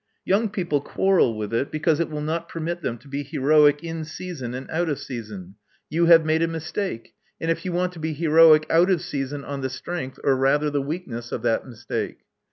Young people quarrel with it because it will not permit them to be heroic in season and out of season. You have made a mistake; and you want to be heroic out of season on the strength, or rather the weakness of that mistake.